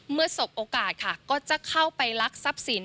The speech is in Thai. สบโอกาสค่ะก็จะเข้าไปลักทรัพย์สิน